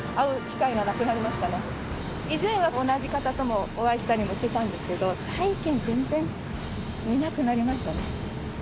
以前は同じ方ともお会いしたりもしてたんですけど最近全然見なくなりましたね。